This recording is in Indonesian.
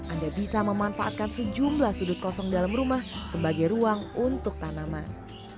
anda bisa memanfaatkan sejumlah sudut kosong dalam rumah sebagai ruang untuk tanaman